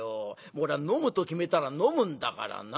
俺は飲むと決めたら飲むんだからな。